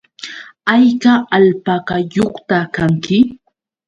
¿Hayka alpakayuqta kanki?